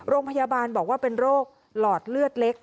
โรงพยาบาลบอกว่าเป็นโรคหลอดเลือดเล็ก